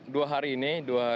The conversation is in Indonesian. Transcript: dua hari ini